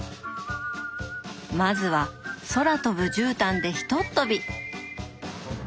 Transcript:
まずは空飛ぶじゅうたんでひとっ飛び。